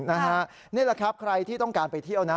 นี่แหละครับใครที่ต้องการไปเที่ยวนะ